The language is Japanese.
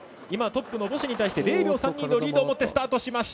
今、トップのボシェに対して０秒３２のリードを持ってスタート。